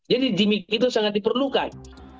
jadi gimmick itu sangat diperlukan